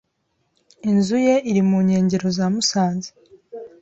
Inzu ye iri mu nkengero za Musanze.